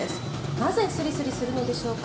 なぜスリスリするのでしょうか。